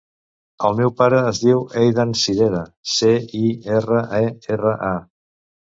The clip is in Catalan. El meu pare es diu Eidan Cirera: ce, i, erra, e, erra, a.